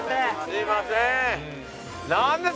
すいません。